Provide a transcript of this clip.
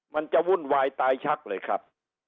มันจะวุ่นวายตายชักเลยครับ